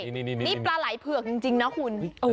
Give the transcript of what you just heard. นี่ปลาไหล่เผือกจริงนะคุณ